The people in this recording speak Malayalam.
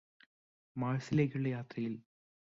മാര്സിലെക്കുള്ള യാത്രയിൽ